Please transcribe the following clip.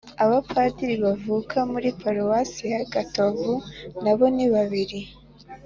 abapadiri bavuka muri paruwasi ya gatovu nabo ni babiri